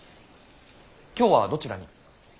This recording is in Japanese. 今日はどちらに？